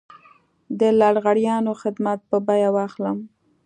د لغړیانو خدمات په بيه واخلم.